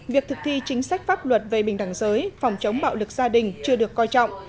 việc thực thi chính sách pháp luật về bình đẳng giới phòng chống bạo lực gia đình chưa được coi trọng